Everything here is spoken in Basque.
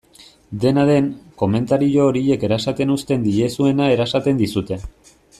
Dena den, komentario horiek erasaten uzten diezuna erasaten dizute.